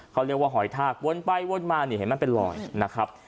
เขาเรียกว่าหอยทากวนไปวนมานี่เห็นมันเป็นรอยนะครับ